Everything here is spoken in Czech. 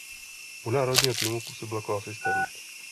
U národního týmu působil jako asistent.